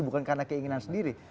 bukan karena keinginan sendiri